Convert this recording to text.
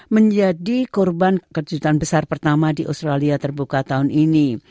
menjadi korban kejutan besar pertama di australia terbuka tahun ini